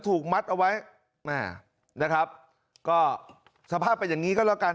ถูกมัดเอาไว้แม่นะครับก็สภาพเป็นอย่างนี้ก็แล้วกัน